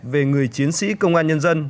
về người chiến sĩ công an nhân dân